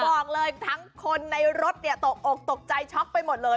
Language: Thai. บอกเลยทั้งคนในรถตกอกตกใจช็อกไปหมดเลย